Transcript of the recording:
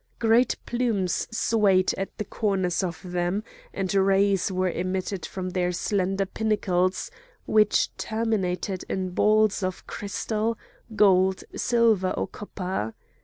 Great plumes swayed at the corners of them, and rays were emitted from their slender pinnacles which terminated in balls of crystal, gold, silver or copper.